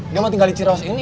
dia mau tinggal di cirawas ini